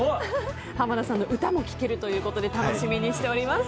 濱田さんの歌も聴けるということで楽しみにしております。